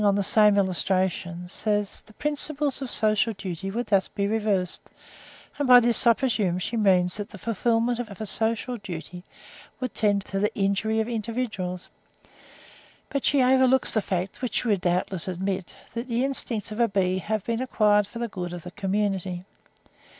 188 191) on the same illustration, says, the PRINCIPLES of social duty would be thus reversed; and by this, I presume, she means that the fulfilment of a social duty would tend to the injury of individuals; but she overlooks the fact, which she would doubtless admit, that the instincts of the bee have been acquired for the good of the community.